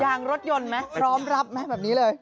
ยางรถยนต์ไหมพร้อมรับไหมแบบนี้เลย